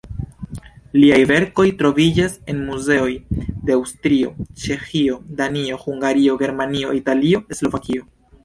Liaj verkoj troviĝas en muzeoj de Aŭstrio, Ĉeĥio, Danio, Hungario, Germanio, Italio, Slovakio.